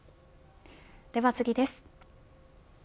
では次です。